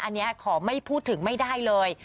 อันนี้ขอไม่พูดถึงไม่ได้เลย